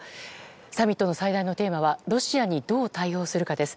サミットの最大のテーマはロシアにどう対応するかです。